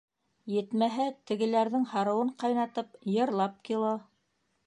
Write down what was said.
Етмәһә, тегеләрҙең һарыуын ҡайнатып йырлап кило.